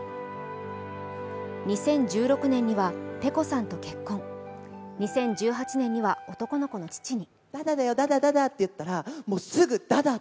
２０１６年にはｐｅｃｏさんと結婚、２０１８年には男の子の父に。